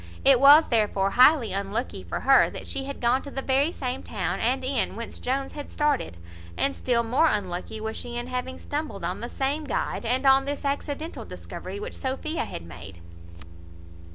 It was therefore highly unlucky for her, that she had gone to the very same town and inn whence Jones had started, and still more unlucky was she in having stumbled on the same guide, and on this accidental discovery which Sophia had made.